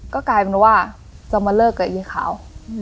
ก็กลายเป็นว่าจะมาเลิกกับอีขาว